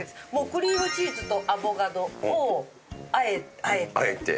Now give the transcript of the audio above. クリームチーズとアボカドをあえて。